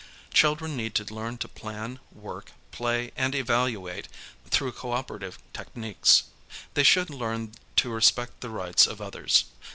Children need to learn to plan, work, play, and evaluate through cooperative techniques. They should learn to respect the rights of others.